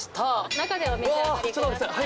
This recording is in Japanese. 中でお召し上がりください。